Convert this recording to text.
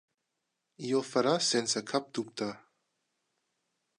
I ho farà sense cap dubte.